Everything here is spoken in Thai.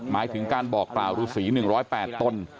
หมายถึงการบอกกล่าวฤษี๑๐๘ตน